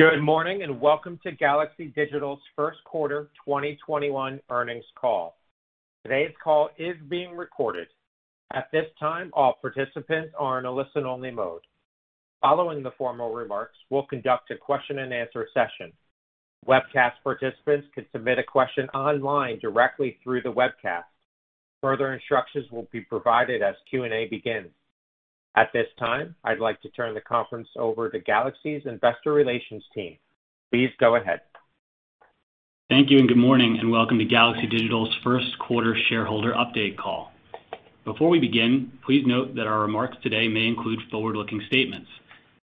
Good morning, welcome to Galaxy Digital's first quarter 2021 earnings call. Today's call is being recorded. At this time, all participants are in a listen-only mode. Following the formal remarks, we'll conduct a question-and-answer session. Webcast participants can submit a question online directly through the webcast. Further instructions will be provided as Q&A begins. At this time, I'd like to turn the conference over to Galaxy's investor relations team. Please go ahead. Thank you. Good morning, and welcome to Galaxy Digital's first quarter shareholder update call. Before we begin, please note that our remarks today may include forward-looking statements.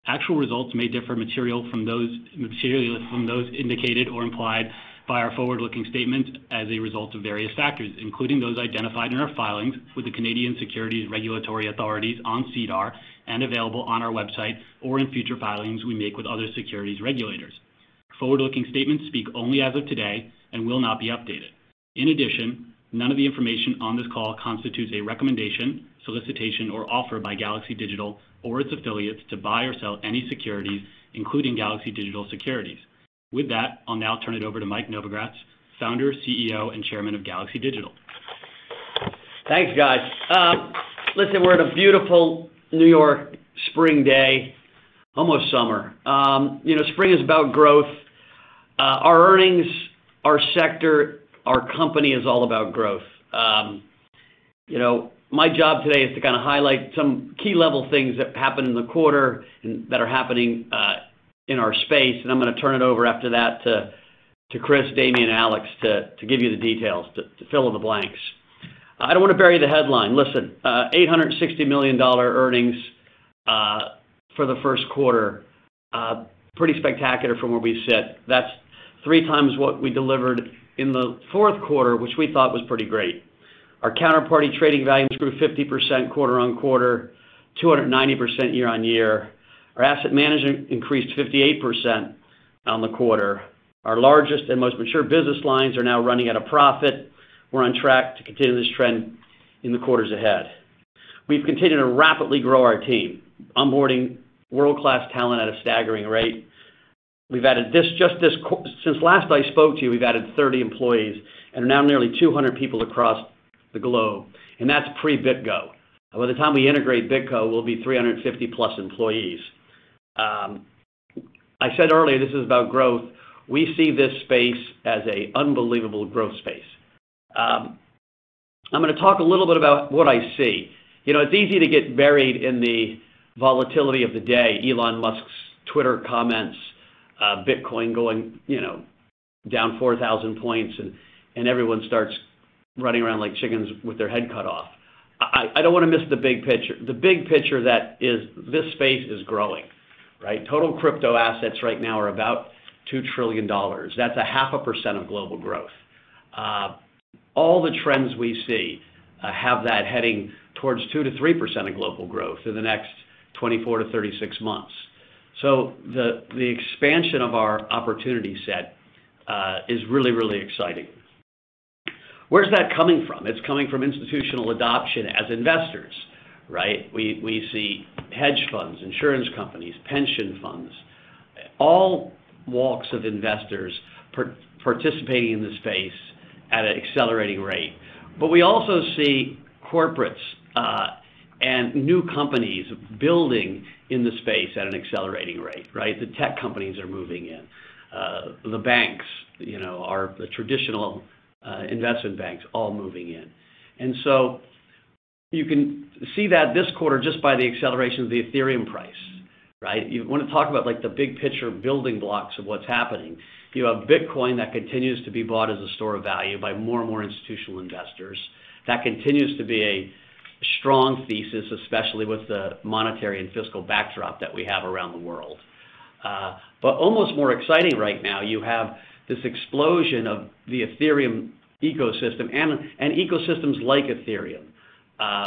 Actual results may differ materially from those indicated or implied by our forward-looking statements as a result of various factors, including those identified in our filings with the Canadian securities regulatory authorities on SEDAR and available on our website or in future filings we make with other securities regulators. Forward-looking statements speak only as of today and will not be updated. In addition, none of the information on this call constitutes a recommendation, solicitation, or offer by Galaxy Digital or its affiliates to buy or sell any securities, including Galaxy Digital securities. With that, I'll now turn it over to Mike Novogratz, Founder, CEO, and Chairman of Galaxy Digital. Thanks, guys. Listen, we're in a beautiful New York spring day, almost summer. Spring is about growth. Our earnings, our sector, our company is all about growth. My job today is to kind of highlight some key level things that happened in the quarter, and that are happening in our space. I'm going to turn it over after that to Chris, Damian, Alex, to give you the details, to fill in the blanks. I want to bury the headline. Listen, $860 million earnings for the first quarter. Pretty spectacular from where we sit. That's three times what we delivered in the fourth quarter, which we thought was pretty great. Our counterparty trading volumes grew 50% quarter-over-quarter, 290% year-over-year. Our asset management increased 58% on the quarter. Our largest and most mature business lines are now running at a profit. We're on track to continue this trend in the quarters ahead. We've continued to rapidly grow our team, onboarding world-class talent at a staggering rate. Since last I spoke to you, we've added 30 employees, and now nearly 200 people across the globe, and that's pre-BitGo. By the time we integrate BitGo, we'll be 350+ employees. I said earlier, this is about growth. We see this space as an unbelievable growth space. I'm going to talk a little bit about what I see. It's easy to get buried in the volatility of the day, Elon Musk's Twitter comments, Bitcoin going down 4,000 points, and everyone starts running around like chickens with their head cut off. I don't want to miss the big picture. The big picture that is this space is growing, right? Total crypto assets right now are about $2 trillion. That's a half a percent of global growth. All the trends we see have that heading towards 2%-3% of global growth in the next 24-36 months. The expansion of our opportunity set is really, really exciting. Where's that coming from? It's coming from institutional adoption as investors, right? We see hedge funds, insurance companies, pension funds, all walks of investors participating in the space at an accelerating rate. We also see corporates and new companies building in the space at an accelerating rate, right? The tech companies are moving in. The banks, the traditional investment banks, all moving in. You can see that this quarter, just by the acceleration of the Ethereum price, right? You want to talk about the big picture building blocks of what's happening. You have Bitcoin that continues to be bought as a store of value by more and more institutional investors. That continues to be a strong thesis, especially with the monetary and fiscal backdrop that we have around the world. Almost more exciting right now, you have this explosion of the Ethereum ecosystem and ecosystems like Ethereum,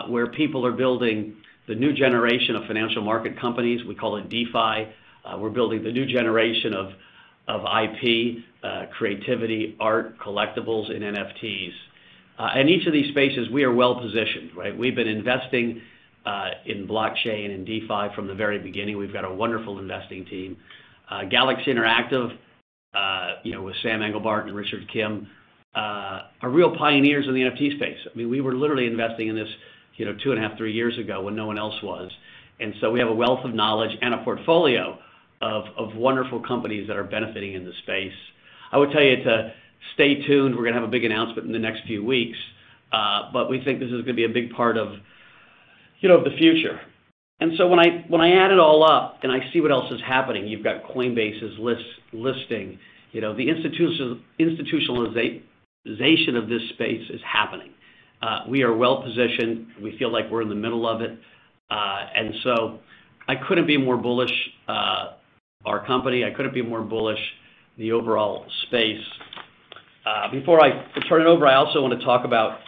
where people are building the new generation of financial market companies. We call it DeFi. We're building the new generation of IP, creativity, art, collectibles, and NFTs. In each of these spaces, we are well-positioned, right? We've been investing in blockchain and DeFi from the very beginning. We've got a wonderful investing team. Galaxy Interactive, with Sam Englebardt and Richard Kim, are real pioneers in the NFT space. We were literally investing in this two and a half, three years ago when no one else was. We have a wealth of knowledge and a portfolio of wonderful companies that are benefiting in the space. I would tell you to stay tuned. We're going to have a big announcement in the next few weeks. We think this is going to be a big part of the future. When I add it all up and I see what else is happening, you've got Coinbase's listing. The institutionalization of this space is happening. We are well-positioned. We feel like we're in the middle of it. I couldn't be more bullish our company, I couldn't be more bullish the overall space. Before I turn it over, I also want to talk about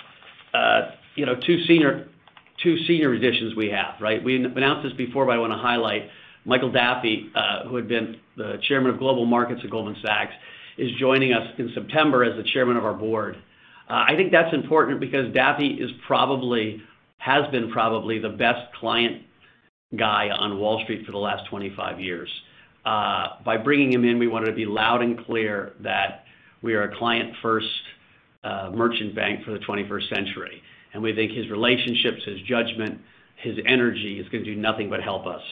two senior additions we have, right? We announced this before, but I want to highlight Michael Daffey, who had been the Chairman of Global Markets at Goldman Sachs, is joining us in September as the Chairman of our Board. I think that's important because Daffey has been probably the best client guy on Wall Street for the last 25 years. By bringing him in, we wanted to be loud and clear that we are a client-first merchant bank for the 21st century. We think his relationships, his judgment, his energy is going to do nothing but help us.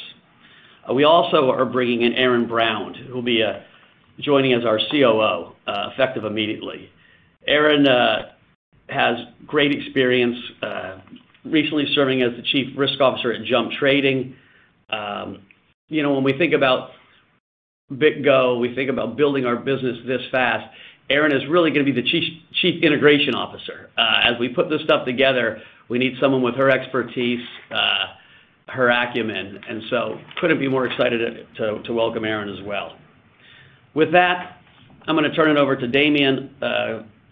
We also are bringing in Erin Brown, who will be joining as our COO, effective immediately. Erin has great experience, recently serving as the Chief Risk Officer at Jump Trading. When we think about BitGo, we think about building our business this fast. Erin is really going to be the Chief Integration Officer. As we put this stuff together, we need someone with her expertise, her acumen. Couldn't be more excited to welcome Erin as well. With that, I'm going to turn it over to Damian,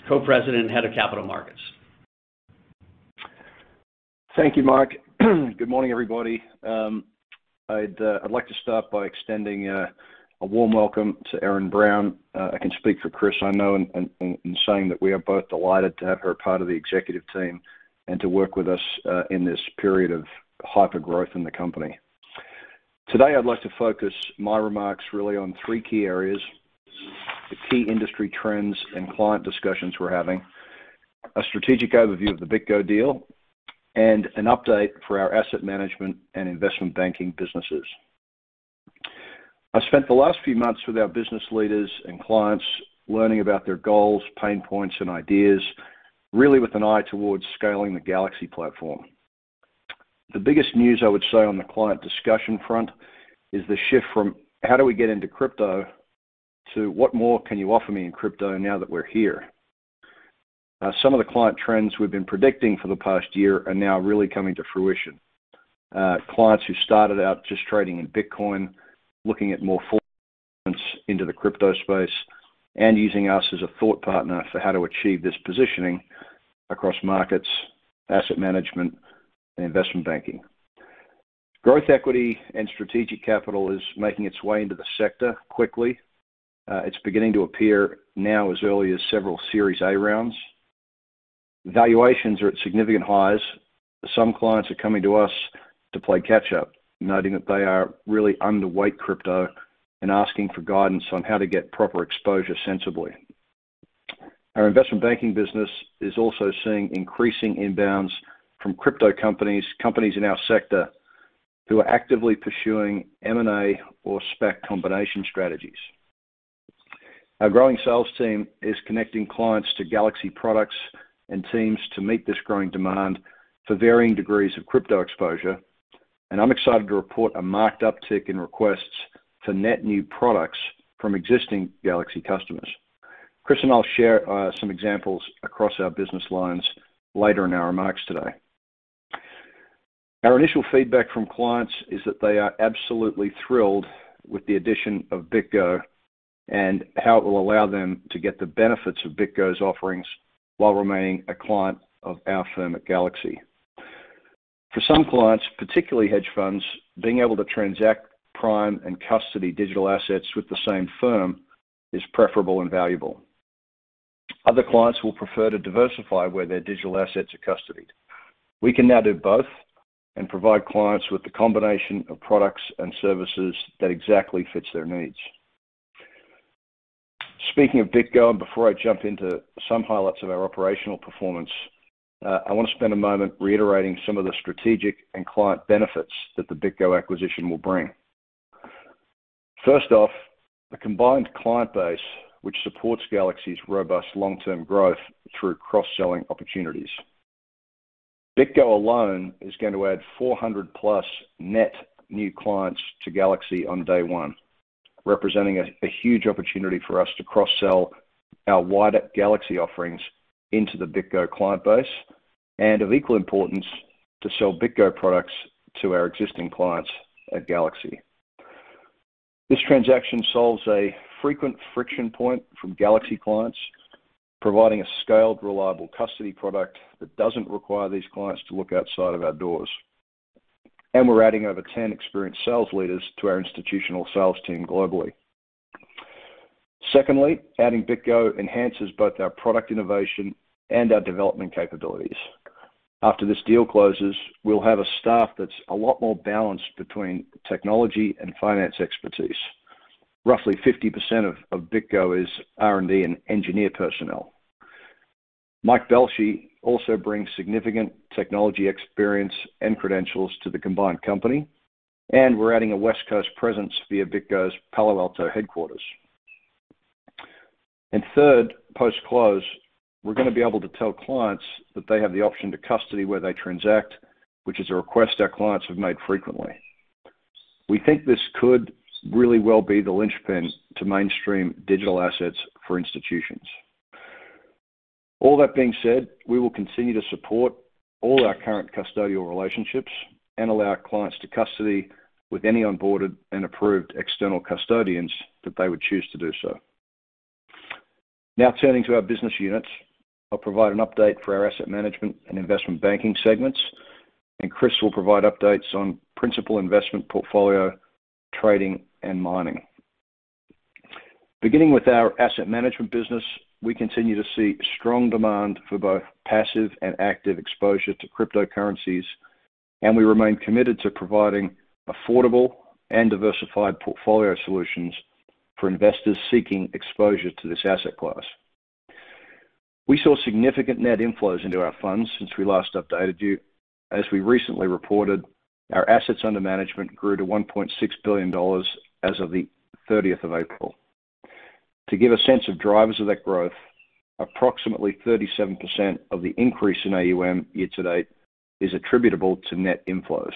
Co-President and Head of Capital Markets. Thank you, Mike. Good morning, everybody. I'd like to start by extending a warm welcome to Erin Brown. I can speak for Chris, I know, in saying that we are both delighted to have her a part of the executive team and to work with us in this period of hyper-growth in the company. Today, I'd like to focus my remarks really on three key areas, the key industry trends and client discussions we're having, a strategic overview of the BitGo deal, and an update for our asset management and investment banking businesses. I spent the last few months with our business leaders and clients learning about their goals, pain points, and ideas, really with an eye towards scaling the Galaxy platform. The biggest news, I would say, on the client discussion front is the shift from how do we get into crypto to what more can you offer me in crypto now that we're here? Some of the client trends we've been predicting for the past year are now really coming to fruition. Clients who started out just trading in Bitcoin, looking at more [forays] into the crypto space and using us as a thought partner for how to achieve this positioning across markets, asset management, and investment banking. Growth equity and strategic capital is making its way into the sector quickly. It's beginning to appear now as early as several Series A rounds. Valuations are at significant highs. Some clients are coming to us to play catch-up, noting that they are really underweight crypto, and asking for guidance on how to get proper exposure sensibly. Our investment banking business is also seeing increasing inbounds from crypto companies in our sector who are actively pursuing M&A or SPAC combination strategies. Our growing sales team is connecting clients to Galaxy products and teams to meet this growing demand for varying degrees of crypto exposure, and I'm excited to report a marked uptick in requests to net new products from existing Galaxy customers. Chris and I'll share some examples across our business lines later in our remarks today. Our initial feedback from clients is that they are absolutely thrilled with the addition of BitGo and how it will allow them to get the benefits of BitGo's offerings while remaining a client of our firm at Galaxy. For some clients, particularly hedge funds, being able to transact prime and custody digital assets with the same firm is preferable and valuable. Other clients will prefer to diversify where their digital assets are custodied. We can now do both and provide clients with the combination of products and services that exactly fits their needs. Speaking of BitGo, and before I jump into some highlights of our operational performance, I want to spend a moment reiterating some of the strategic and client benefits that the BitGo acquisition will bring. First off, a combined client base, which supports Galaxy's robust long-term growth through cross-selling opportunities. BitGo alone is going to add 400+ net new clients to Galaxy on day one, representing a huge opportunity for us to cross-sell our wider Galaxy offerings into the BitGo client base, and of equal importance, to sell BitGo products to our existing clients at Galaxy. This transaction solves a frequent friction point from Galaxy clients, providing a scaled, reliable custody product that doesn't require these clients to look outside of our doors. We're adding over 10 experienced sales leaders to our institutional sales team globally. Secondly, adding BitGo enhances both our product innovation and our development capabilities. After this deal closes, we'll have a staff that's a lot more balanced between technology and finance expertise. Roughly 50% of BitGo is R&D and engineer personnel. Mike Belshe also brings significant technology experience and credentials to the combined company, and we're adding a West Coast presence via BitGo's Palo Alto headquarters. Third, post-close, we're going to be able to tell clients that they have the option to custody where they transact, which is a request our clients have made frequently. We think this could really well be the linchpin to mainstream digital assets for institutions. All that being said, we will continue to support all our current custodial relationships and allow clients to custody with any onboarded and approved external custodians that they would choose to do so. Now turning to our business units. I'll provide an update for our asset management and investment banking segments, and Chris will provide updates on principal investment portfolio, trading, and mining. Beginning with our asset management business, we continue to see strong demand for both passive and active exposure to cryptocurrencies, and we remain committed to providing affordable and diversified portfolio solutions for investors seeking exposure to this asset class. We saw significant net inflows into our funds since we last updated you. As we recently reported, our assets under management grew to $1.6 billion as of the 30th of April. To give a sense of drivers of that growth, approximately 37% of the increase in AUM year to date is attributable to net inflows.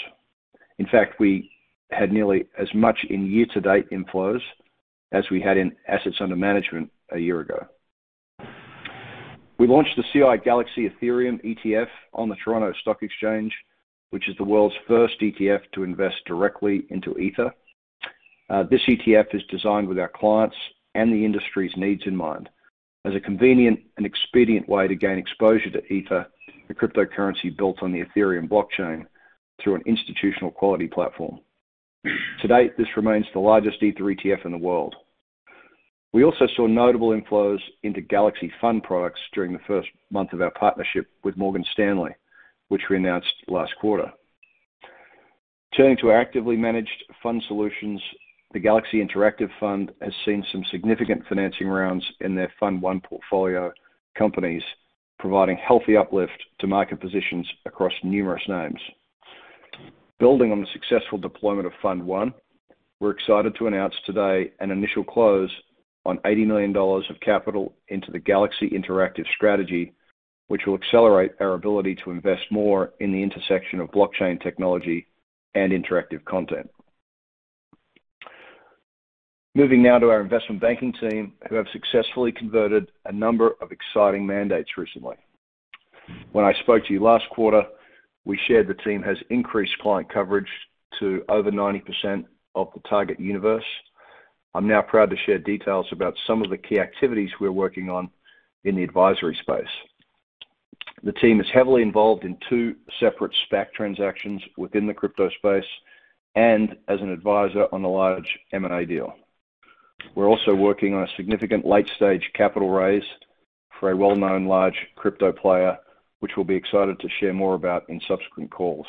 In fact, we had nearly as much in year-to-date inflows as we had in assets under management a year ago. We launched the CI Galaxy Ethereum ETF on the Toronto Stock Exchange, which is the world's first ETF to invest directly into Ether. This ETF is designed with our clients and the industry's needs in mind as a convenient and expedient way to gain exposure to Ether, a cryptocurrency built on the Ethereum blockchain, through an institutional quality platform. To date, this remains the largest Ether ETF in the world. We also saw notable inflows into Galaxy fund products during the first month of our partnership with Morgan Stanley, which we announced last quarter. Turning to actively managed fund solutions, the Galaxy Interactive fund has seen some significant financing rounds in their Fund One portfolio companies, providing healthy uplift to market positions across numerous names. Building on the successful deployment of Fund One, we're excited to announce today an initial close on $80 million of capital into the Galaxy Interactive strategy, which will accelerate our ability to invest more in the intersection of blockchain technology and interactive content. Moving now to our investment banking team, who have successfully converted a number of exciting mandates recently. When I spoke to you last quarter, we shared the team has increased client coverage to over 90% of the target universe. I'm now proud to share details about some of the key activities we're working on in the advisory space. The team is heavily involved in two separate SPAC transactions within the crypto space and as an advisor on a large M&A deal. We're also working on a significant late-stage capital raise for a well-known large crypto player, which we'll be excited to share more about in subsequent calls.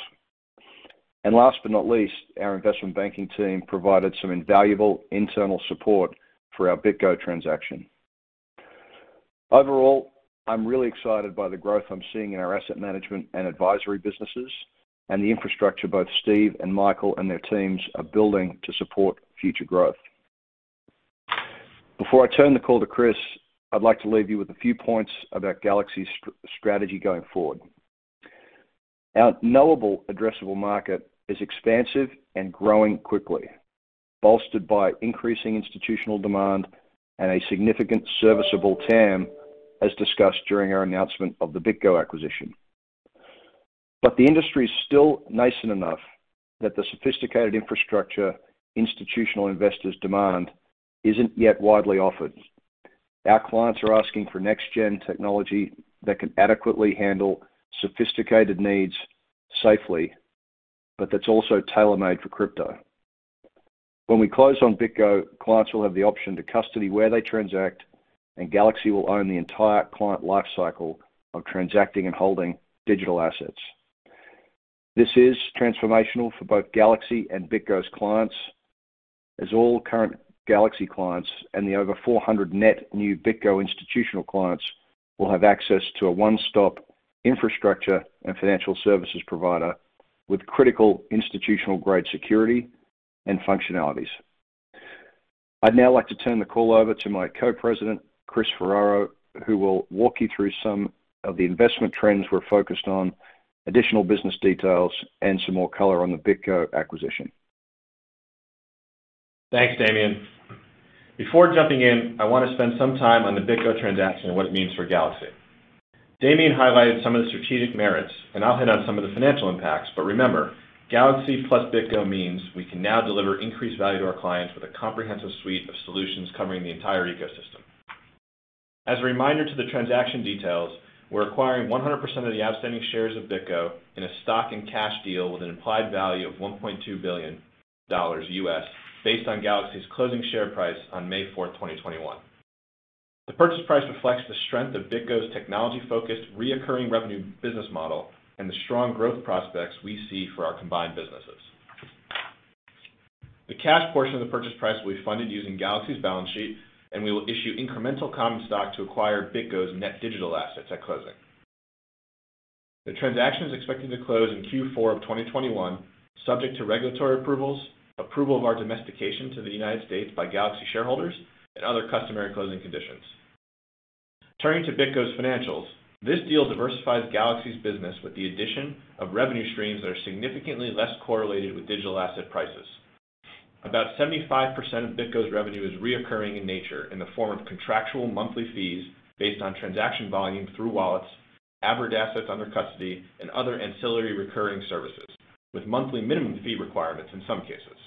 Last but not least, our investment banking team provided some invaluable internal support for our BitGo transaction. Overall, I'm really excited by the growth I'm seeing in our asset management and advisory businesses and the infrastructure both Steve and Michael and their teams are building to support future growth. Before I turn the call to Chris, I'd like to leave you with a few points about Galaxy's strategy going forward. Our knowable addressable market is expansive and growing quickly, bolstered by increasing institutional demand and a significant serviceable TAM, as discussed during our announcement of the BitGo acquisition. The industry is still nascent enough that the sophisticated infrastructure institutional investors demand isn't yet widely offered. Our clients are asking for next-gen technology that can adequately handle sophisticated needs safely, but that's also tailor-made for crypto. When we close on BitGo, clients will have the option to custody where they transact, and Galaxy will own the entire client life cycle of transacting and holding digital assets. This is transformational for both Galaxy and BitGo's clients, as all current Galaxy clients and the over 400 net new BitGo institutional clients will have access to a one-stop infrastructure and financial services provider with critical institutional-grade security and functionalities. I'd now like to turn the call over to my Co-President, Chris Ferraro, who will walk you through some of the investment trends we're focused on, additional business details, and some more color on the BitGo acquisition. Thanks, Damian. Before jumping in, I want to spend some time on the BitGo transaction and what it means for Galaxy. Damian highlighted some of the strategic merits, and I'll hit on some of the financial impacts. Remember, Galaxy plus BitGo means we can now deliver increased value to our clients with a comprehensive suite of solutions covering the entire ecosystem. As a reminder to the transaction details, we're acquiring 100% of the outstanding shares of BitGo in a stock and cash deal with an implied value of $1.2 billion, based on Galaxy's closing share price on May 4th, 2021. The purchase price reflects the strength of BitGo's technology-focused, reoccurring revenue business model and the strong growth prospects we see for our combined businesses. The cash portion of the purchase price will be funded using Galaxy's balance sheet, and we will issue incremental common stock to acquire BitGo's net digital assets at closing. The transaction is expected to close in Q4 of 2021, subject to regulatory approvals, approval of our domestication to the United States by Galaxy shareholders, and other customary closing conditions. Turning to BitGo's financials, this deal diversifies Galaxy's business with the addition of revenue streams that are significantly less correlated with digital asset prices. About 75% of BitGo's revenue is reoccurring in nature in the form of contractual monthly fees based on transaction volume through wallets, average assets under custody, and other ancillary recurring services, with monthly minimum fee requirements in some cases.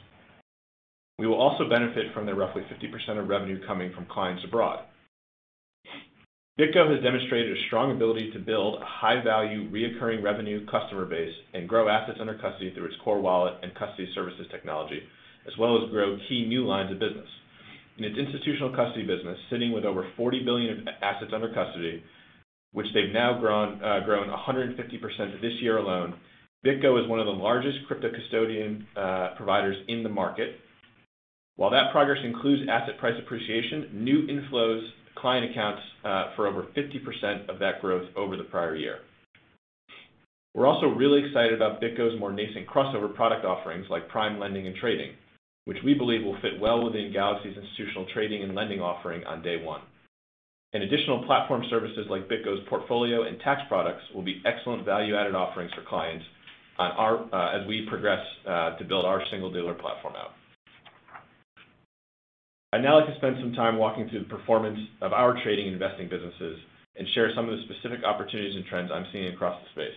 We will also benefit from the roughly 50% of revenue coming from clients abroad. BitGo has demonstrated a strong ability to build a high-value, recurring revenue customer base and grow assets under custody through its core wallet and custody services technology, as well as grow key new lines of business. In its institutional custody business, sitting with over $40 billion of assets under custody, which they have now grown 150% this year alone, BitGo is one of the largest crypto custodian providers in the market. While that progress includes asset price appreciation, new inflows client accounts for over 50% of that growth over the prior year. We're also really excited about BitGo's more nascent crossover product offerings like prime lending and trading, which we believe will fit well within Galaxy's institutional trading and lending offering on day one. Additional platform services like BitGo's portfolio and tax products will be excellent value-added offerings for clients as we progress to build our single dealer platform out. I'd now like to spend some time walking through the performance of our trading and investing businesses and share some of the specific opportunities and trends I'm seeing across the space.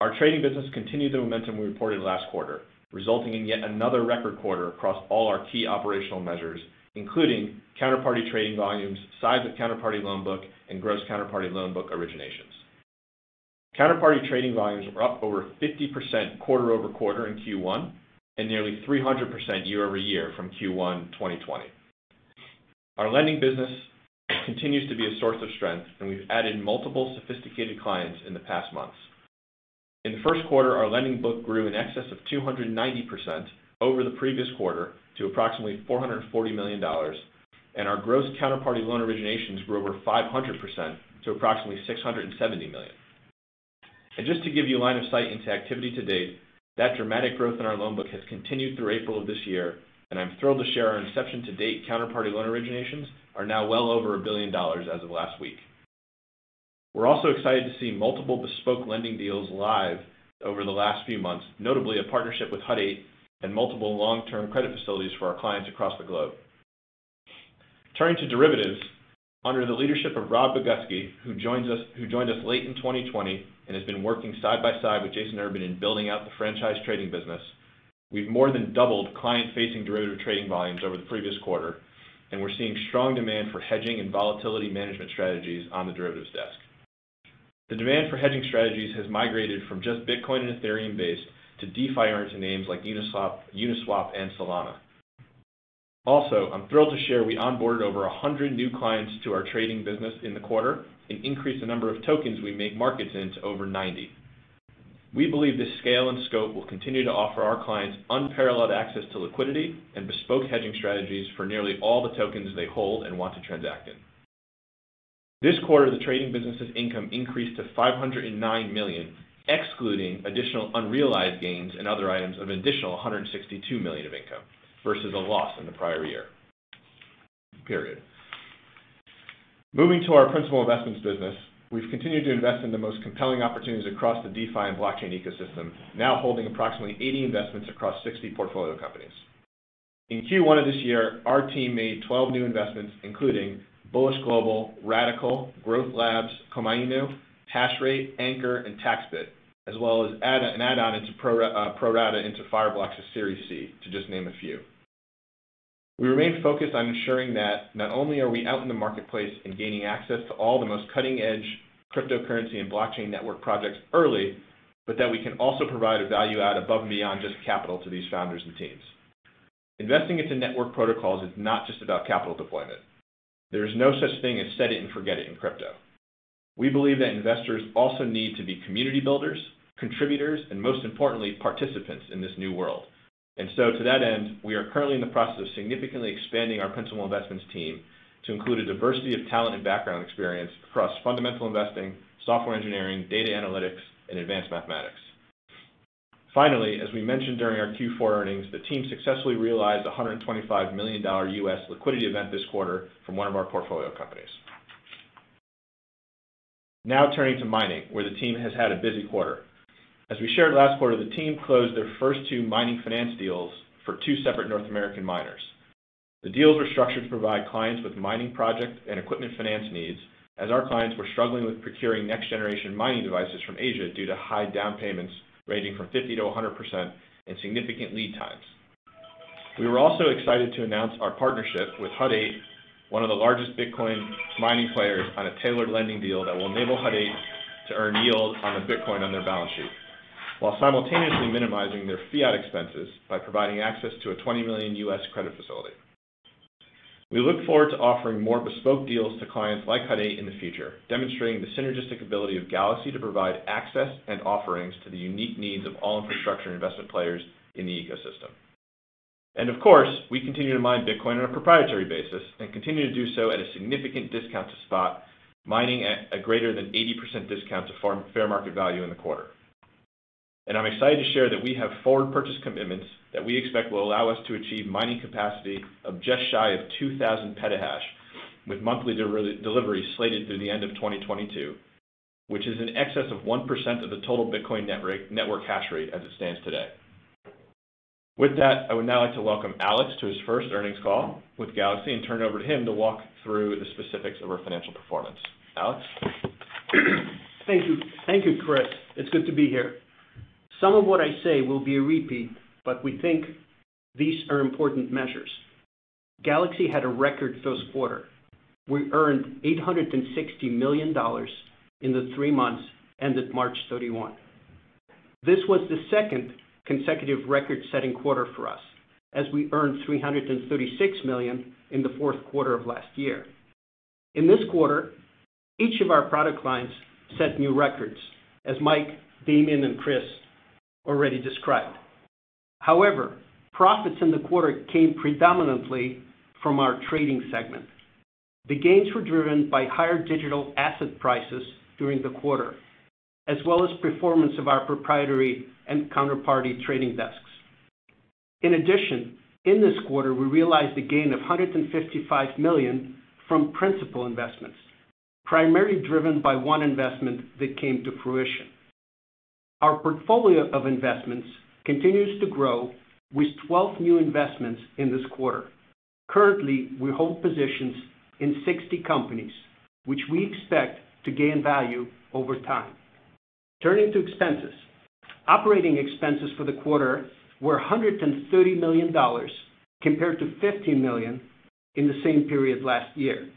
Our trading business continued the momentum we reported last quarter, resulting in yet another record quarter across all our key operational measures, including counterparty trading volumes, size of counterparty loan book, and gross counterparty loan book originations. Counterparty trading volumes were up over 50% quarter-over-quarter in Q1, and nearly 300% year-over-year from Q1 2020. Our lending business continues to be a source of strength, and we've added multiple sophisticated clients in the past months. In the first quarter, our lending book grew in excess of 290% over the previous quarter to approximately $440 million. Our gross counterparty loan originations grew over 500% to approximately $670 million. Just to give you line of sight into activity to date, that dramatic growth in our loan book has continued through April of this year, and I'm thrilled to share our inception to date counterparty loan originations are now well over $1 billion as of last week. We're also excited to see multiple bespoke lending deals live over the last few months, notably a partnership with Hut 8 and multiple long-term credit facilities for our clients across the globe. Turning to derivatives, under the leadership of Rob Bogucki, who joined us late in 2020 and has been working side by side with Jason Urban in building out the franchise trading business, we've more than doubled client-facing derivative trading volumes over the previous quarter. We're seeing strong demand for hedging and volatility management strategies on the derivatives desk. The demand for hedging strategies has migrated from just Bitcoin and Ethereum base to DeFi or into names like Uniswap, and Solana. I'm thrilled to share we onboarded over 100 new clients to our trading business in the quarter and increased the number of tokens we make markets in to over 90. We believe this scale and scope will continue to offer our clients unparalleled access to liquidity and bespoke hedging strategies for nearly all the tokens they hold and want to transact in. This quarter, the trading business's income increased to $509 million, excluding additional unrealized gains and other items of an additional $162 million of income, versus a loss in the prior year period. Moving to our principal investments business, we've continued to invest in the most compelling opportunities across the DeFi and blockchain ecosystem, now holding approximately 80 investments across 60 portfolio companies. In Q1 of this year, our team made 12 new investments, including Bullish Global, Radicle, Growth Labs, Komainu, Hashrate, Anchor, and TaxBit, as well as an add-on into pro rata into Fireblocks' Series C, to just name a few. We remain focused on ensuring that not only are we out in the marketplace and gaining access to all the most cutting-edge cryptocurrency and blockchain network projects early, but that we can also provide a value add above and beyond just capital to these founders and teams. Investing into network protocols is not just about capital deployment. There is no such thing as set it and forget it in crypto. We believe that investors also need to be community builders, contributors, and most importantly, participants in this new world. To that end, we are currently in the process of significantly expanding our principal investments team to include a diversity of talent and background experience across fundamental investing, software engineering, data analytics, and advanced mathematics. Finally, as we mentioned during our Q4 earnings, the team successfully realized $125 million US liquidity event this quarter from one of our portfolio companies. Now turning to mining, where the team has had a busy quarter. As we shared last quarter, the team closed their first two mining finance deals for two separate North American miners. The deals were structured to provide clients with mining project and equipment finance needs, as our clients were struggling with procuring next-generation mining devices from Asia due to high down payments ranging from 50%-100% and significant lead times. We were also excited to announce our partnership with Hut 8, one of the largest Bitcoin mining players, on a tailored lending deal that will enable Hut 8 to earn yield on the Bitcoin on their balance sheet, while simultaneously minimizing their fiat expenses by providing access to a $20 million U.S. credit facility. We look forward to offering more bespoke deals to clients like Hut 8 in the future, demonstrating the synergistic ability of Galaxy to provide access and offerings to the unique needs of all infrastructure investment players in the ecosystem. Of course, we continue to mine Bitcoin on a proprietary basis and continue to do so at a significant discount to spot, mining at a greater than 80% discount to fair market value in the quarter. I'm excited to share that we have forward purchase commitments that we expect will allow us to achieve mining capacity of just shy of 2,000 petahash, with monthly deliveries slated through the end of 2022, which is in excess of 1% of the total Bitcoin network hash rate as it stands today. With that, I would now like to welcome Alex to his first earnings call with Galaxy and turn it over to him to walk through the specifics of our financial performance. Alex? Thank you, Chris. It's good to be here. Some of what I say will be a repeat, but we think these are important measures. Galaxy had a record first quarter. We earned $860 million in the three months ended March 31. This was the second consecutive record-setting quarter for us, as we earned $336 million in the fourth quarter of last year. In this quarter, each of our product lines set new records, as Mike, Damian, and Chris already described. However, profits in the quarter came predominantly from our trading segment. The gains were driven by higher digital asset prices during the quarter, as well as performance of our proprietary and counterparty trading desks. In addition, in this quarter, we realized a gain of $155 million from principal investments, primarily driven by one investment that came to fruition. Our portfolio of investments continues to grow with 12 new investments in this quarter. Currently, we hold positions in 60 companies, which we expect to gain value over time. Turning to expenses. Operating expenses for the quarter were $130 million compared to $50 million in the same period last year.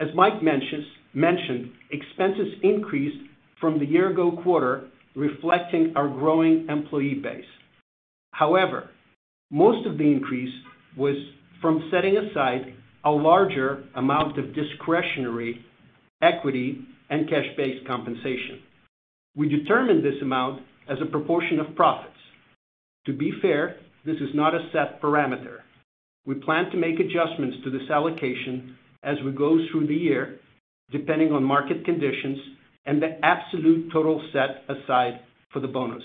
As Mike mentioned, expenses increased from the year ago quarter, reflecting our growing employee base. Most of the increase was from setting aside a larger amount of discretionary equity and cash-based compensation. We determined this amount as a proportion of profits. To be fair, this is not a set parameter. We plan to make adjustments to this allocation as we go through the year, depending on market conditions and the absolute total set aside for the bonus.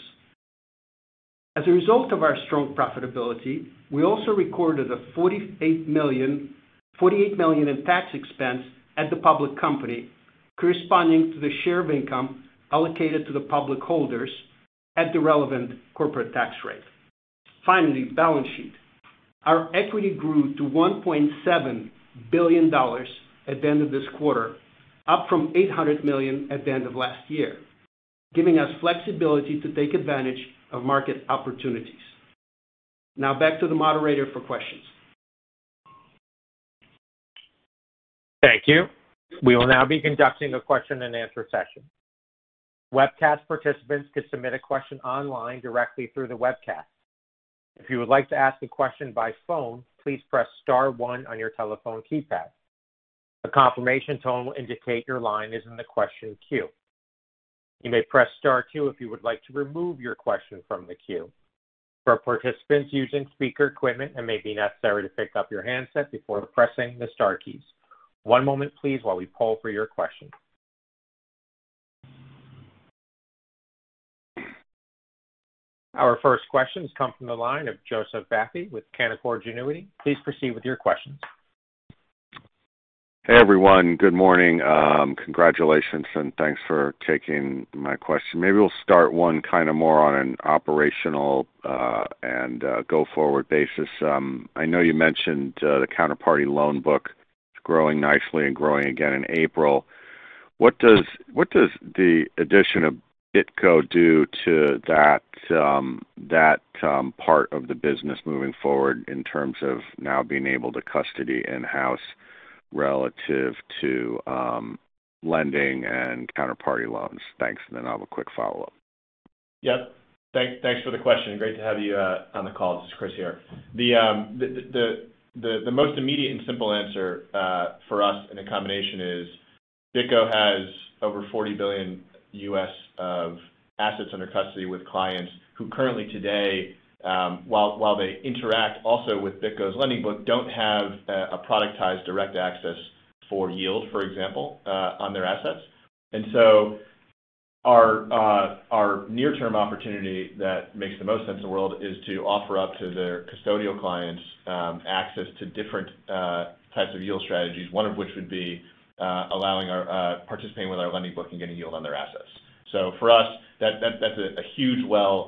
As a result of our strong profitability, we also recorded a $48 million in tax expense at the public company, corresponding to the share of income allocated to the public holders at the relevant corporate tax rate. Finally, balance sheet. Our equity grew to $1.7 billion at the end of this quarter, up from $800 million at the end of last year, giving us flexibility to take advantage of market opportunities. Now back to the moderator for questions. Thank you. We will now be conducting a question and answer session. Webcast participants can submit a question online directly through the webcast. If you would like to ask a question by phone, please press star one on your telephone keypad. A confirmation tone will indicate your line is in the question queue. You may press star two if you would like to remove your question from the queue. For participants using speaker equipment, it may be necessary to pick up your handset before pressing the star keys. One moment, please, while we poll for your questions. Our first question comes from the line of Joseph Vafi with Canaccord Genuity. Please proceed with your question. Hey, everyone. Good morning. Congratulations, and thanks for taking my question. Maybe we'll start one kind of more on an operational and go-forward basis. I know you mentioned the counterparty loan book is growing nicely and growing again in April. What does the addition of BitGo do to that part of the business moving forward in terms of now being able to custody in-house relative to lending and counterparty loans? Thanks. Then I have a quick follow-up. Yep. Thanks for the question. Great to have you on the call. This is Chris here. The most immediate and simple answer for us in the combination is BitGo has over $40 billion of assets under custody with clients who currently today, while they interact also with BitGo's lending book, don't have a productized direct access for yield, for example, on their assets. Our near-term opportunity that makes the most sense in the world is to offer up to their custodial clients access to different types of yield strategies, one of which would be allowing our participating with our lending book and getting yield on their assets. For us, that's a huge well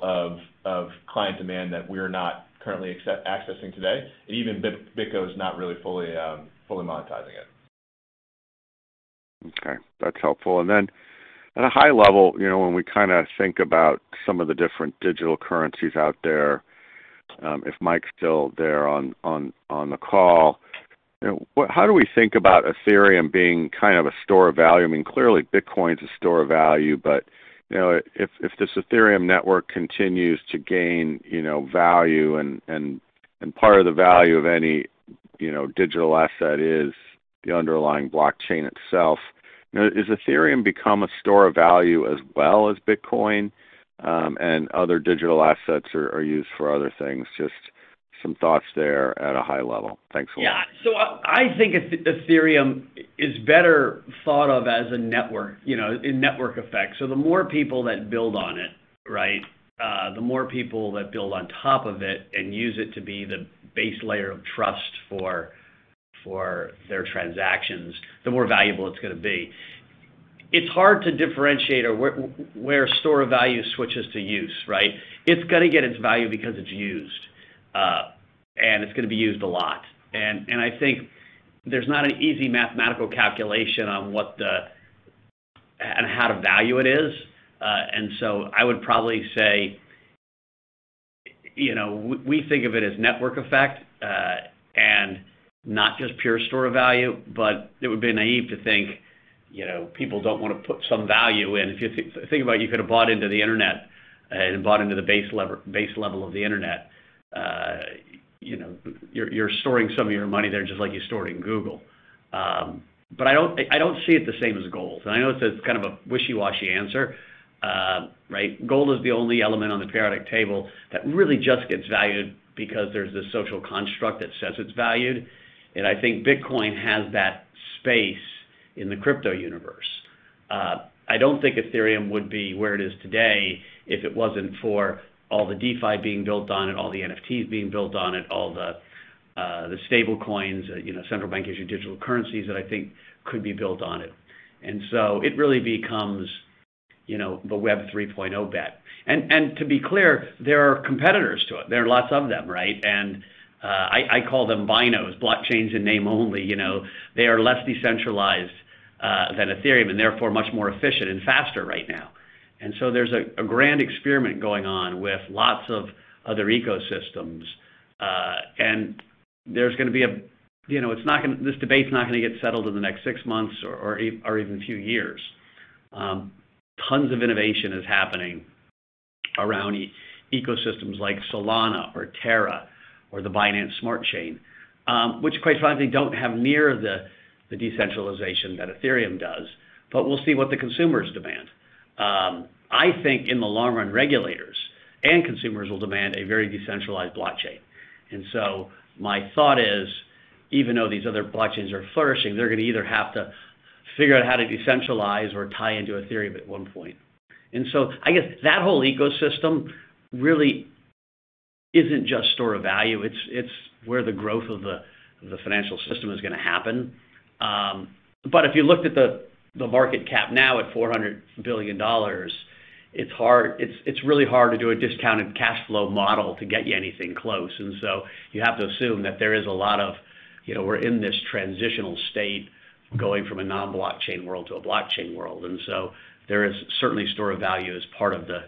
of client demand that we're not currently accessing today. Even BitGo is not really fully monetizing it. Okay. That's helpful. At a high level, when we kind of think about some of the different digital currencies out there, if Mike's still there on the call, how do we think about Ethereum being kind of a store of value? I mean, clearly Bitcoin's a store of value, but if this Ethereum network continues to gain value and part of the value of any digital asset is the underlying blockchain itself, has Ethereum become a store of value as well as Bitcoin and other digital assets are used for other things? Just some thoughts there at a high level? Thanks a lot. Yeah. I think Ethereum is better thought of as a network, a network effect. The more people that build on it, the more people that build on top of it and use it to be the base layer of trust for their transactions, the more valuable it's going to be. It's hard to differentiate where store of value switches to use, right? It's going to get its value because it's used. It's going to be used a lot. I think there's not an easy mathematical calculation on how to value it is. I would probably say, we think of it as network effect, and not just pure store of value, but it would be naive to think people don't want to put some value in. If you think about it, you could've bought into the internet and bought into the base level of the internet. You're storing some of your money there just like you stored in Google. I don't see it the same as gold. I know it's kind of a wishy-washy answer, right? Gold is the only element on the periodic table that really just gets valued because there's this social construct that says it's valued. I think Bitcoin has that space in the crypto universe. I don't think Ethereum would be where it is today if it wasn't for all the DeFi being built on it, all the NFTs being built on it, all the stablecoins, central bank issued digital currencies that I think could be built on it. It really becomes the Web 3.0 bet. To be clear, there are competitors to it. There are lots of them, right? I call them BINOs, blockchains in name only. They are less decentralized than Ethereum, and therefore much more efficient and faster right now. There's a grand experiment going on with lots of other ecosystems. This debate's not going to get settled in the next six months or even a few years. Tons of innovation is happening around ecosystems like Solana or Terra or the Binance Smart Chain, which quite frankly don't have near the decentralization that Ethereum does. We'll see what the consumers demand. I think in the long run, regulators and consumers will demand a very decentralized blockchain. My thought is, even though these other blockchains are flourishing, they're going to either have to figure out how to decentralize or tie into Ethereum at one point. I guess that whole ecosystem really isn't just store of value. It's where the growth of the financial system is going to happen. If you looked at the market cap now at $400 billion, it's really hard to do a discounted cash flow model to get you anything close. You have to assume that there is a lot of, we're in this transitional state going from a non-blockchain world to a blockchain world. There is certainly store of value as part of the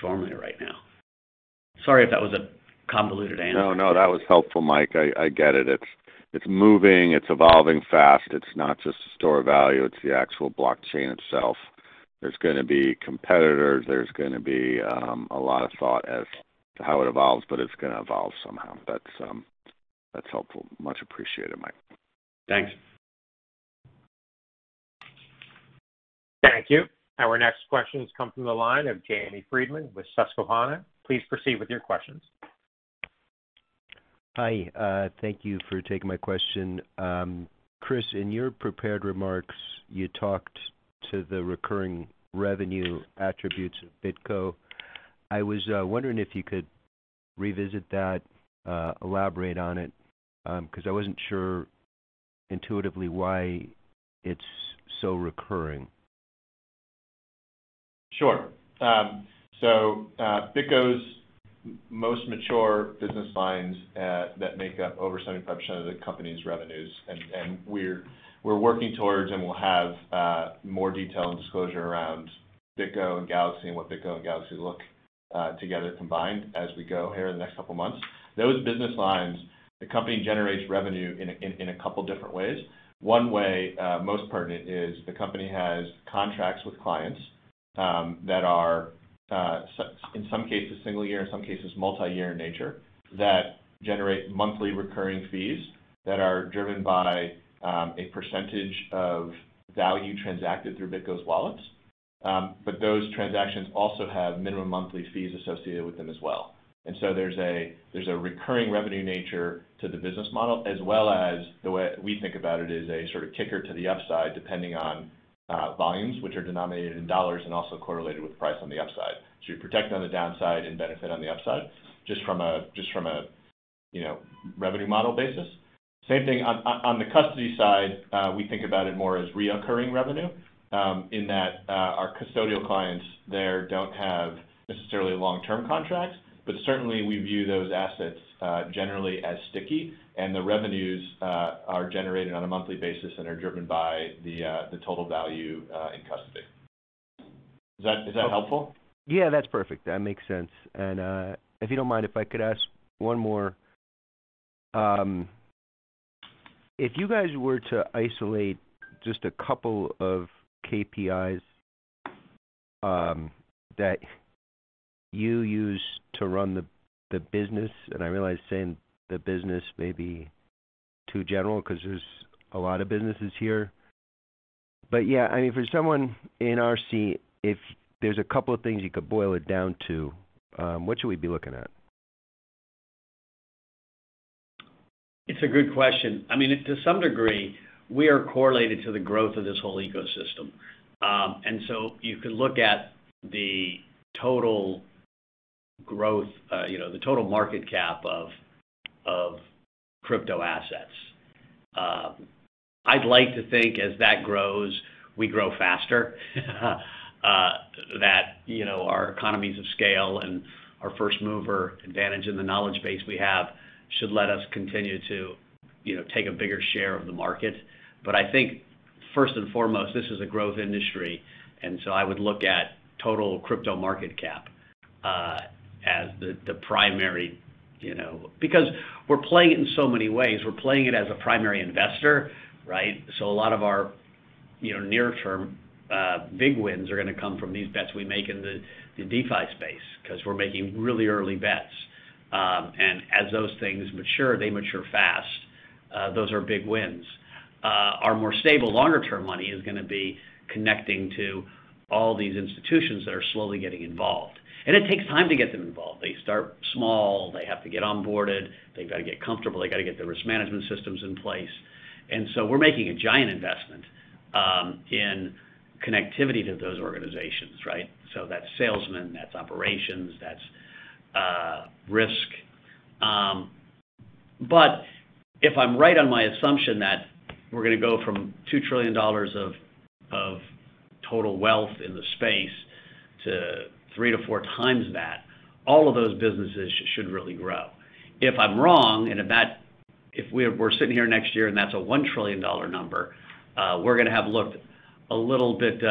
formula right now. Sorry if that was a convoluted answer. No, that was helpful, Mike. I get it. It's moving, it's evolving fast. It's not just a store of value, it's the actual blockchain itself. There's going to be competitors. There's going to be a lot of thought as to how it evolves, but it's going to evolve somehow. That's helpful. Much appreciated, Mike. Thanks. Thank you. Our next questions come from the line of Jamie Friedman with Susquehanna. Please proceed with your questions. Hi. Thank you for taking my question. Chris, in your prepared remarks, you talked to the recurring revenue attributes of BitGo. I was wondering if you could revisit that, elaborate on it, because I wasn't sure intuitively why it's so recurring? Sure. BitGo's most mature business lines that make up over 75% of the company's revenues, and we're working towards and will have more detail and disclosure around BitGo and Galaxy and what BitGo and Galaxy look together combined as we go here in the next couple of months. Those business lines, the company generates revenue in a couple different ways. One way, most pertinent, is the company has contracts with clients that are, in some cases, single year, in some cases, multi-year in nature, that generate monthly recurring fees that are driven by a percentage of value transacted through BitGo's wallets. Those transactions also have minimum monthly fees associated with them as well. There's a recurring revenue nature to the business model, as well as the way we think about it is a sort of kicker to the upside, depending on volumes, which are denominated in USD and also correlated with price on the upside. You're protected on the downside and benefit on the upside, just from a revenue model basis. Same thing on the custody side, we think about it more as recurring revenue, in that our custodial clients there don't have necessarily long-term contracts, but certainly we view those assets generally as sticky and the revenues are generated on a monthly basis and are driven by the total value in custody. Is that helpful? Yeah, that's perfect. That makes sense. If you don't mind, if I could ask one more. If you guys were to isolate just a couple of KPIs that you use to run the business, and I realize saying the business may be too general because there's a lot of businesses here. Yeah, I mean, for someone in our seat, if there's a couple of things you could boil it down to, what should we be looking at? It's a good question. I mean, to some degree, we are correlated to the growth of this whole ecosystem. You could look at the total growth, the total market cap of crypto assets. I'd like to think as that grows, we grow faster. That our economies of scale and our first-mover advantage in the knowledge base we have should let us continue to take a bigger share of the market. I think first and foremost, this is a growth industry, and so I would look at total crypto market cap as the primary. Because we're playing it in so many ways. We're playing it as a primary investor, right? A lot of our near-term, big wins are going to come from these bets we make in the DeFi space, because we're making really early bets. As those things mature, they mature fast. Those are big wins. Our more stable, longer term money is going to be connecting to all these institutions that are slowly getting involved. It takes time to get them involved. They start small. They have to get onboarded. They've got to get comfortable. They got to get their risk management systems in place. We're making a giant investment in connectivity to those organizations, right? That's salesmen, that's operations, that's risk. If I'm right on my assumption that we're going to go from $2 trillion of total wealth in the space to three-four times that, all of those businesses should really grow. If I'm wrong, and if we're sitting here next year and that's a $1 trillion number, we're going to have looked a little bit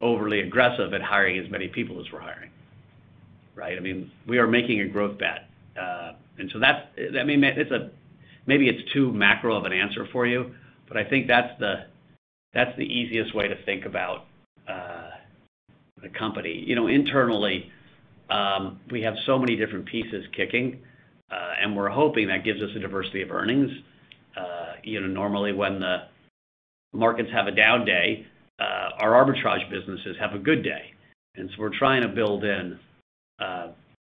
overly aggressive at hiring as many people as we're hiring. Right? We are making a growth bet. Maybe it's too macro of an answer for you, but I think that's the easiest way to think about the company. Internally, we have so many different pieces kicking, and we're hoping that gives us a diversity of earnings. Normally, when the markets have a down day, our arbitrage businesses have a good day. We're trying to build in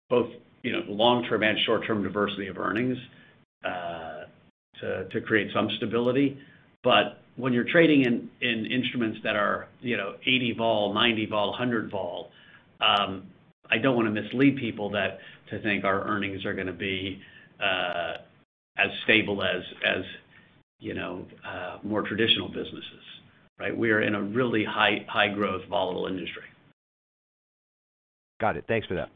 both, the long-term and short-term diversity of earnings, to create some stability. When you're trading in instruments that are 80 vol, 90 vol, 100 vol, I don't want to mislead people to think our earnings are going to be as stable as more traditional businesses, right? We are in a really high growth, volatile industry. Got it. Thanks for that.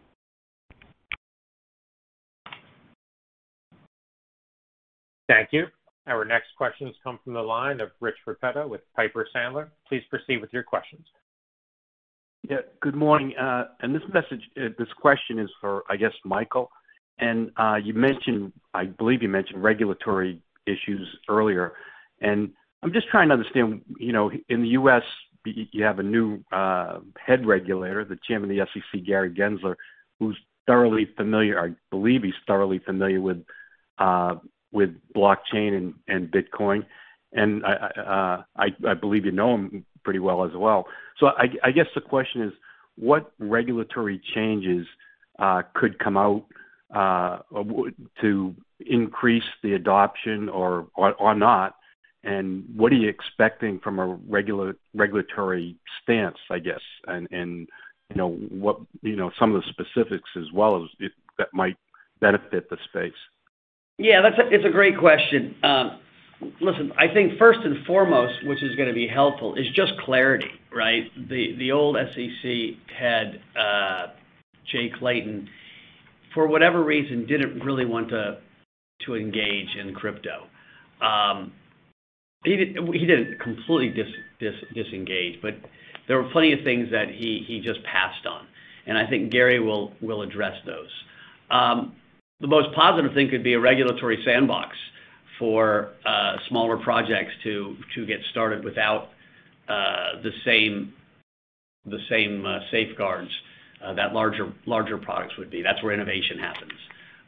Thank you. Our next questions come from the line of Richard Repetto with Piper Sandler. Please proceed with your questions. Yeah. Good morning. This question is for, I guess, Michael. You mentioned, I believe you mentioned regulatory issues earlier. I'm just trying to understand, in the U.S., you have a new head regulator, the Chairman of the SEC, Gary Gensler, who's thoroughly familiar, I believe he's thoroughly familiar with blockchain and Bitcoin. I believe you know him pretty well as well. I guess the question is, what regulatory changes could come out to increase the adoption or not, and what are you expecting from a regulatory stance, I guess? Some of the specifics as well that might benefit the space? Yeah. It's a great question. Listen, I think first and foremost, which is going to be helpful, is just clarity, right? The old SEC head, Jay Clayton, for whatever reason, didn't really want to engage in crypto. He didn't completely disengage, but there were plenty of things that he just passed on. I think Gary will address those. The most positive thing could be a regulatory sandbox for smaller projects to get started without the same safeguards that larger products would be. That's where innovation happens.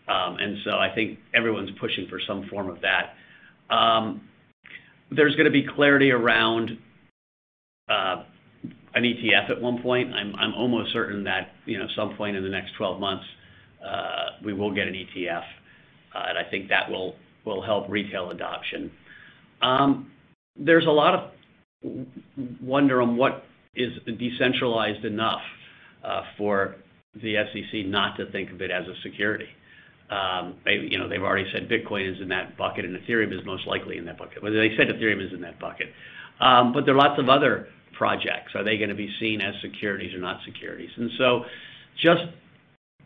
I think everyone's pushing for some form of that. There's going to be clarity around an ETF at one point. I'm almost certain that, some point in the next 12 months, we will get an ETF, and I think that will help retail adoption. There's a lot of wonder on what is decentralized enough for the SEC not to think of it as a security. They've already said Bitcoin is in that bucket, and Ethereum is most likely in that bucket. Well, they said Ethereum is in that bucket. There are lots of other projects. Are they going to be seen as securities or not securities? Just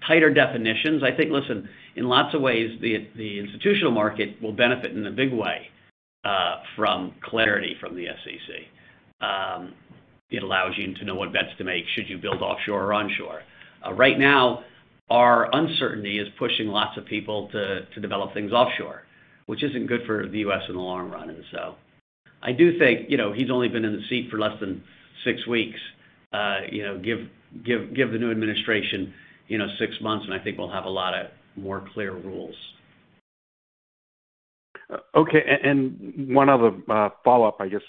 tighter definitions. I think, listen, in lots of ways, the institutional market will benefit in a big way, from clarity from the SEC. It allows you to know what bets to make, should you build offshore or onshore. Right now, our uncertainty is pushing lots of people to develop things offshore, which isn't good for the U.S. in the long run. I do think, he's only been in the seat for less than six weeks. Give the new administration six months, and I think we'll have a lot of more clear rules. Okay. One other follow-up, I guess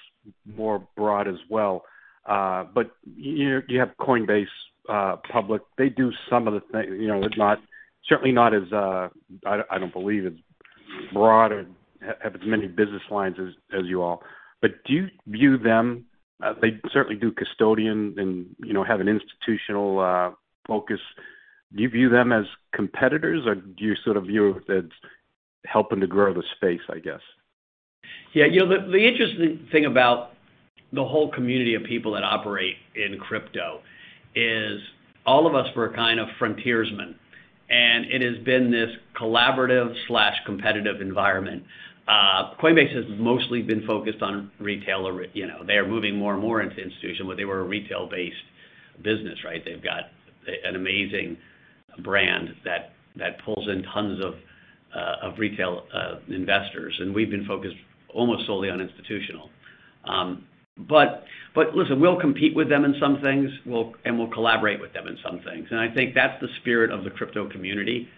more broad as well. You have Coinbase public. They do some of the things, certainly not as, I don't believe as broad or have as many business lines as you all. Do you view them? They certainly do custodian and have an institutional focus. Do you view them as competitors, or do you view it as helping to grow the space, I guess? Yeah. The interesting thing about the whole community of people that operate in crypto is all of us were kind of frontiersmen, and it has been this collaborative/competitive environment. Coinbase has mostly been focused on retail. They are moving more and more into institutional, but they were a retail-based business, right? They've got an amazing brand that pulls in tons of retail investors, and we've been focused almost solely on institutional. Listen, we'll compete with them in some things, and we'll collaborate with them in some things, and I think that's the spirit of the crypto community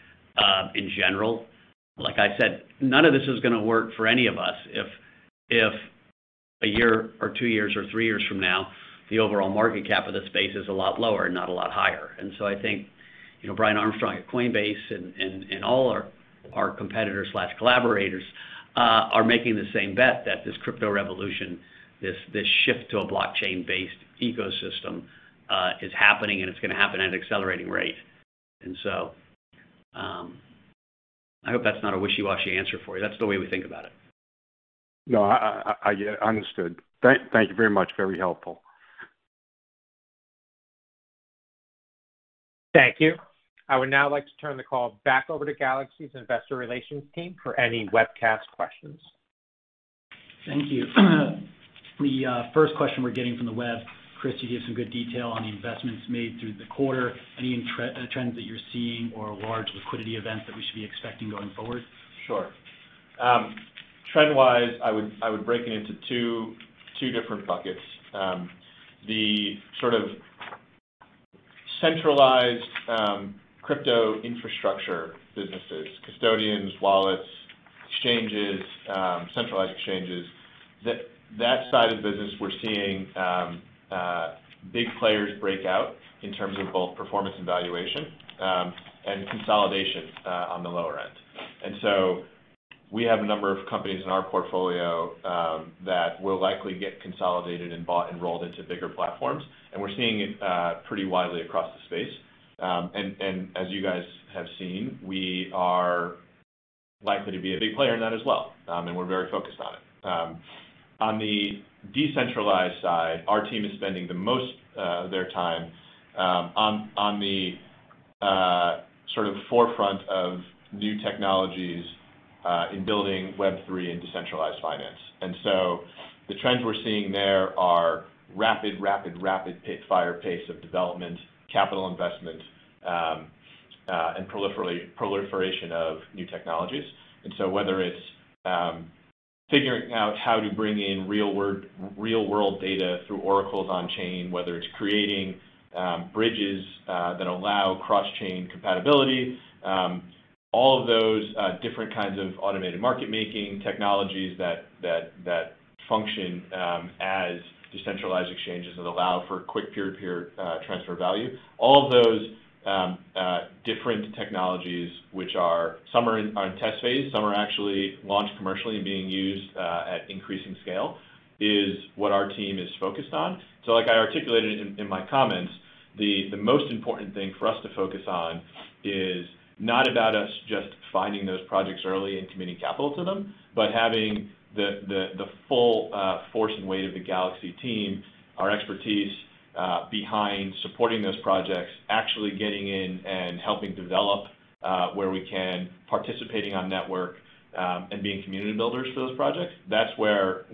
in general. Like I said, none of this is going to work for any of us if a year or two years or three years from now, the overall market cap of the space is a lot lower, not a lot higher. I think Brian Armstrong at Coinbase and all our competitors/collaborators are making the same bet that this crypto revolution, this shift to a blockchain-based ecosystem is happening, and it's going to happen at an accelerating rate. I hope that's not a wishy-washy answer for you. That's the way we think about it. No, understood. Thank you very much. Very helpful. Thank you. I would now like to turn the call back over to Galaxy's investor relations team for any webcast questions. Thank you. The first question we're getting from the web, Chris, you gave some good detail on the investments made through the quarter. Any trends that you're seeing or large liquidity events that we should be expecting going forward? Sure. Trend-wise, I would break it into two different buckets. The sort of centralized crypto infrastructure businesses, custodians, wallets, centralized exchanges, that side of the business, we're seeing big players break out in terms of both performance and valuation, and consolidation on the lower end. We have a number of companies in our portfolio that will likely get consolidated and bought and rolled into bigger platforms, and we're seeing it pretty widely across the space. As you guys have seen, we are likely to be a big player in that as well, and we're very focused on it. On the decentralized side, our team is spending the most of their time on the sort of forefront of new technologies in building Web3 and decentralized finance. The trends we're seeing there are rapid pace of development, capital investment, and proliferation of new technologies. Whether it's figuring out how to bring in real-world data through oracles on-chain, whether it's creating bridges that allow cross-chain compatibility, all of those different kinds of automated market-making technologies that function as decentralized exchanges that allow for quick peer-to-peer transfer of value. All of those different technologies, which some are in test phase, some are actually launched commercially and being used at increasing scale, is what our team is focused on. Like I articulated in my comments, the most important thing for us to focus on is not about us just finding those projects early and committing capital to them, but having the full force and weight of the Galaxy team, our expertise behind supporting those projects, actually getting in and helping develop where we can, participating on network, and being community builders for those projects. That's where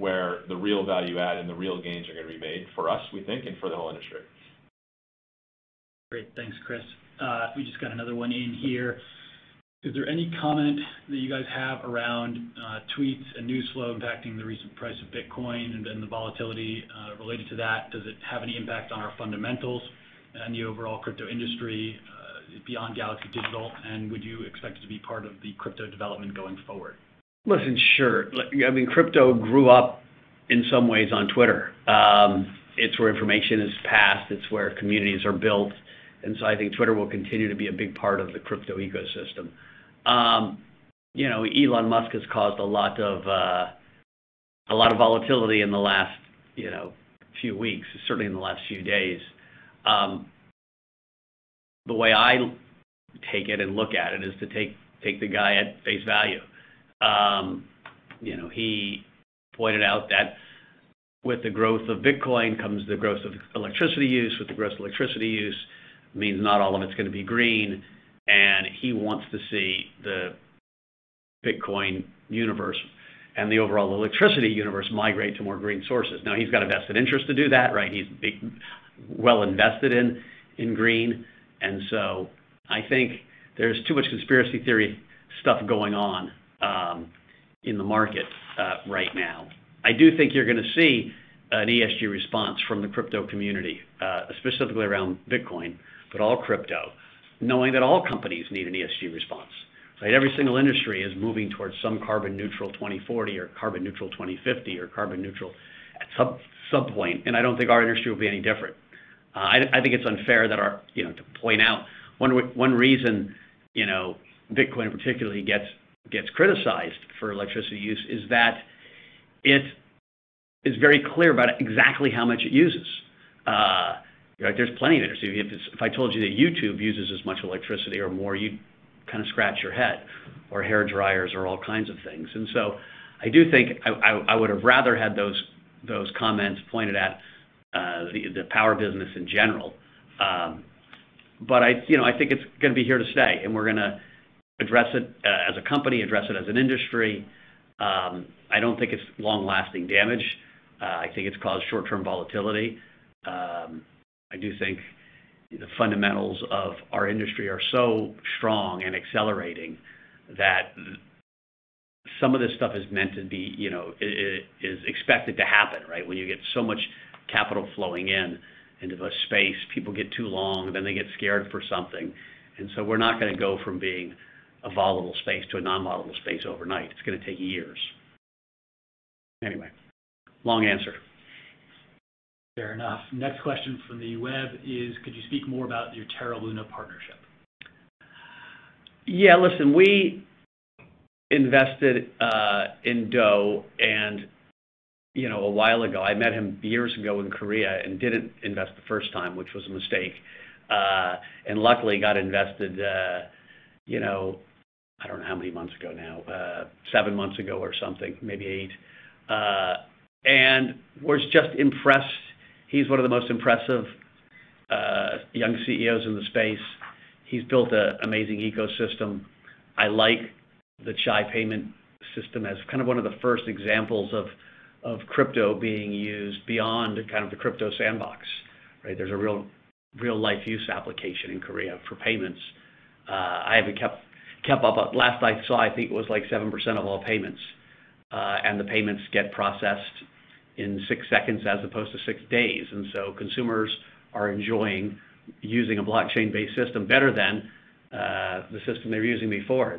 the real value add and the real gains are going to be made for us, we think, and for the whole industry. Great. Thanks, Chris. We just got another one in here. Is there any comment that you guys have around tweets and news flow impacting the recent price of Bitcoin and the volatility related to that? Does it have any impact on our fundamentals and the overall crypto industry beyond Galaxy Digital? Would you expect to be part of the crypto development going forward? Listen, sure. Crypto grew up in some ways on Twitter. It's where information is passed. It's where communities are built. I think Twitter will continue to be a big part of the crypto ecosystem. Elon Musk has caused a lot of volatility in the last few weeks, certainly in the last few days. The way I take it and look at it is to take the guy at face value. He pointed out that with the growth of Bitcoin comes the growth of electricity use. With the growth of electricity use means not all of it's going to be green, and he wants to see the Bitcoin universe and the overall electricity universe migrate to more green sources. Now, he's got a vested interest to do that, right? He's well invested in green. I think there's too much conspiracy theory stuff going on in the market right now. I do think you're going to see an ESG response from the crypto community, specifically around Bitcoin, but all crypto, knowing that all companies need an ESG response, right? Every single industry is moving towards some carbon neutral 2040 or carbon neutral 2050 or carbon neutral at some point. I don't think our industry will be any different. I think it's unfair to point out one reason Bitcoin particularly gets criticized for electricity use is that it's very clear about exactly how much it uses. There's plenty of it. If I told you that YouTube uses as much electricity or more, you'd scratch your head, or hair dryers or all kinds of things. I do think I would have rather had those comments pointed at the power business in general. I think it's going to be here to stay, and we're going to address it as a company, address it as an industry. I don't think it's long-lasting damage. I think it's caused short-term volatility. I do think the fundamentals of our industry are so strong and accelerating that some of this stuff is meant to be, is expected to happen, right? When you get so much capital flowing in into a space, people get too long, then they get scared for something. We're not going to go from being a volatile space to a non-volatile space overnight. It's going to take years. Anyway, long answer. Fair enough. Next question from the web is, could you speak more about your Terra LUNA partnership? Yeah. Listen, we invested in Do and a while ago. I met him years ago in Korea and didn't invest the first time, which was a mistake. Luckily got invested, I don't know how many months ago now, seven months ago or something, maybe eight. Was just impressed. He's one of the most impressive young CEOs in the space. He's built an amazing ecosystem. I like the Chai payment system as one of the first examples of crypto being used beyond the crypto sandbox. There's a real life use application in Korea for payments. I haven't kept up, but last I saw, I think it was 7% of all payments. The payments get processed in six seconds as opposed to six days. Consumers are enjoying using a blockchain-based system better than the system they were using before.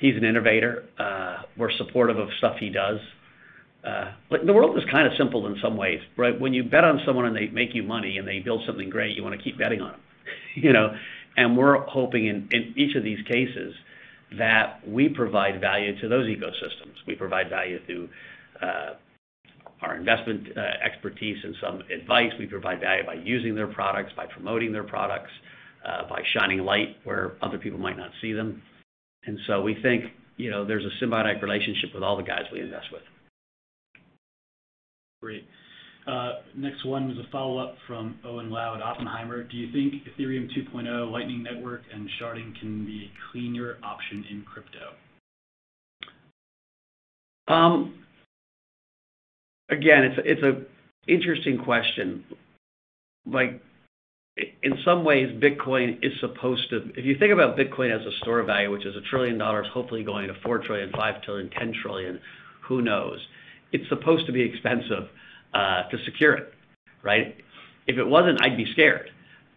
He's an innovator. We're supportive of stuff he does. The world is kind of simple in some ways. When you bet on someone and they make you money and they build something great, you want to keep betting on them. We're hoping in each of these cases that we provide value to those ecosystems. We provide value through our investment expertise and some advice. We provide value by using their products, by promoting their products, by shining light where other people might not see them. We think there's a symbiotic relationship with all the guys we invest with. Great. Next one is a follow-up from Owen Lau at Oppenheimer. Do you think Ethereum 2.0 Lightning Network and sharding can be a cleaner option in crypto? It's an interesting question. In some ways, Bitcoin is supposed to. If you think about Bitcoin as a store of value, which is $1 trillion, hopefully going to $4 trillion, $5 trillion, $10 trillion, who knows? It's supposed to be expensive to secure it, right? If it wasn't, I'd be scared.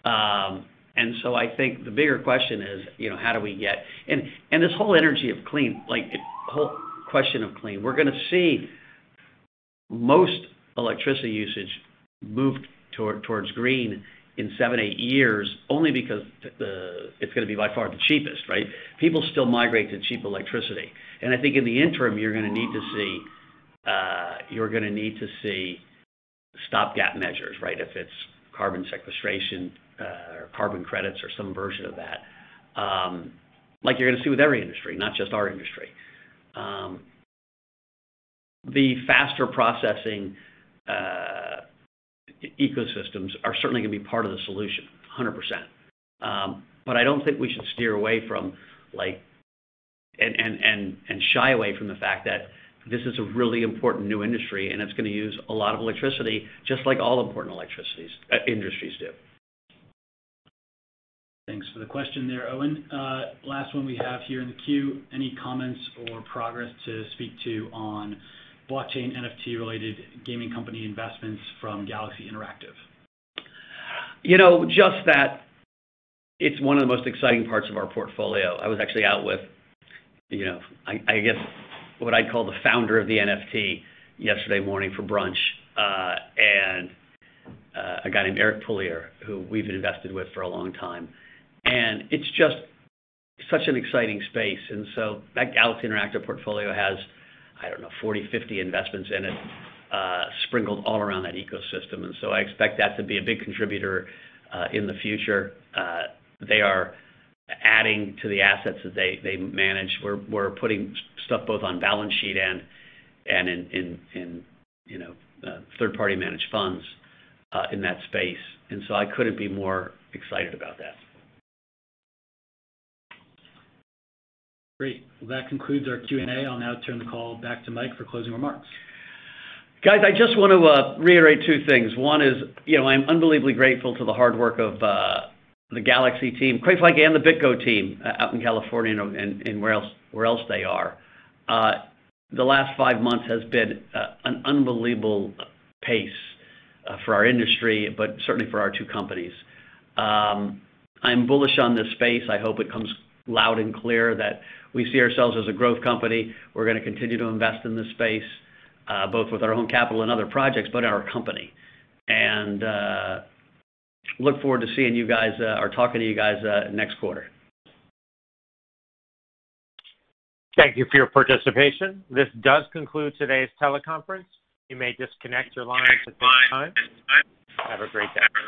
I think the bigger question is how do we get. This whole energy of clean, the whole question of clean, we're going to see most electricity usage move towards green in seven, eight years only because it's going to be by far the cheapest, right? People still migrate to cheap electricity. I think in the interim, you're going to need to see stopgap measures. If it's carbon sequestration or carbon credits or some version of that. Like you're going to see with every industry, not just our industry. The faster processing ecosystems are certainly going to be part of the solution, 100%. I don't think we should steer away from and shy away from the fact that this is a really important new industry, and it's going to use a lot of electricity, just like all important industries do. Thanks for the question there, Owen. Last one we have here in the queue. Any comments or progress to speak to on blockchain NFT-related gaming company investments from Galaxy Interactive? That it's one of the most exciting parts of our portfolio. I was actually out with, I guess, what I call the founder of the NFT yesterday morning for brunch, and a guy named Eric Pulier, who we've invested with for a long time. It's just such an exciting space. That Galaxy Interactive portfolio has, I don't know, 40, 50 investments in it sprinkled all around that ecosystem. I expect that to be a big contributor in the future. They are adding to the assets that they manage. We're putting stuff both on balance sheet and in third-party managed funds in that space. I couldn't be more excited about that. Great. Well, that concludes our Q&A. I'll now turn the call back to Mike for closing remarks. Guys, I just want to reiterate two things. One is, I'm unbelievably grateful for the hard work of the Galaxy team, [Quicklike] and the BitGo team out in California and where else they are. The last five months has been an unbelievable pace for our industry, but certainly for our two companies. I'm bullish on this space. I hope it comes loud and clear that we see ourselves as a growth company. We're going to continue to invest in this space, both with our own capital and other projects, but our company. Look forward to seeing you guys or talking to you guys next quarter. Thank you for your participation. This does conclude today's teleconference. You may disconnect your lines at this time. Have a great day.